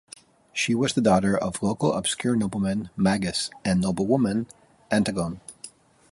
She was the daughter of local obscure nobleman Magas and noblewoman Antigone.